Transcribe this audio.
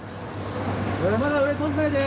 まだ上通らないで。